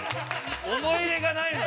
◆思い入れがないのよ。